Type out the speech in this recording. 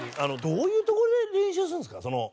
どういうところで練習するんですか？